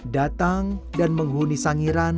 datang dan menghuni sangiran